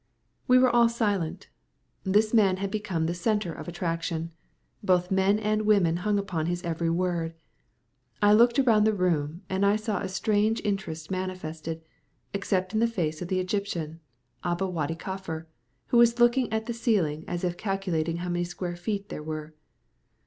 We were all silent. This man had become the centre of attraction. Both men and women hung upon his every word. I looked around the room and I saw a strange interest manifested, except in the face of the Egyptian. Aba Wady Kaffar was looking at the ceiling as if calculating how many square feet there were.